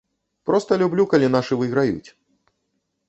Проста люблю, калі нашы выйграюць.